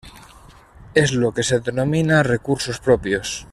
Es lo que se denomina recursos propios.